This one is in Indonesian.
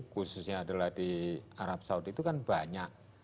khususnya adalah di arab saudi itu kan banyak